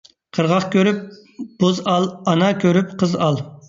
قىرغاق كۆرۈپ بۆز ئال، ئانا كۆرۈپ قىز ئال.